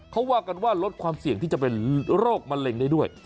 เขาว่ากันว่าลดความเสี่ยงที่จะเป็นโรคมะเร็งได้ด้วย